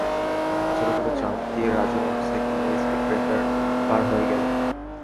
একটি ছোটখাটো জাম্প দিয়ে রাজু মোটরসাইকেল নিয়ে স্পিড ব্রেকার পার হয়ে গেল।